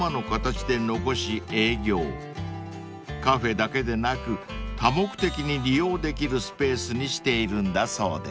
［カフェだけでなく多目的に利用できるスペースにしているんだそうです］